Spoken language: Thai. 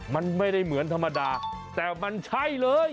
มันไม่ได้เหมือนธรรมดาแต่มันใช่เลย